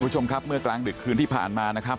คุณผู้ชมครับเมื่อกลางดึกคืนที่ผ่านมานะครับ